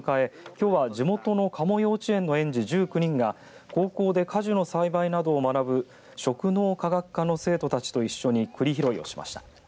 きょうは地元の加茂幼稚園の園児１９人が高校で果樹の栽培などを学ぶ食農科学科の生徒たちと一緒にくり拾いをしました。